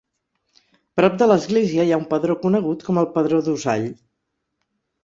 Prop de l'església hi ha un pedró conegut com el pedró d'Usall.